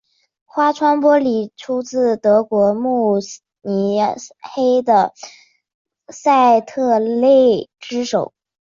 花窗玻璃出自德国慕尼黑的赛特勒之手。